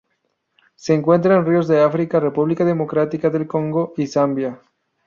Se encuentran en ríos de África: República Democrática del Congo y Zambia.